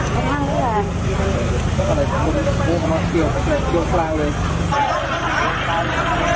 สิบกว่าเมตรสิบกว่าเมตรครับ